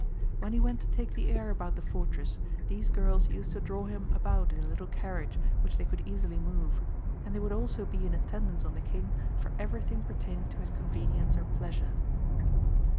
When he went to take the air about the Fortress, these girls used to draw him about in a little carriage which they could easily move, and they would also be in attendance on the King for everything pertaining to his convenience or pleasure.